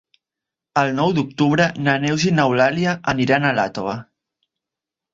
El nou d'octubre na Neus i n'Eulàlia aniran a Iàtova.